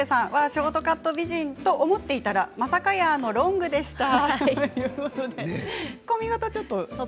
ショートカット美人と思っていたらまさかのロングでした。